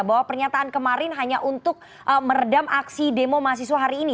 bahwa pernyataan kemarin hanya untuk meredam aksi demo mahasiswa hari ini